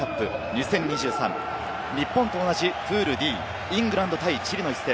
２０２３、日本と同じプールＤ、イングランド対チリの一戦。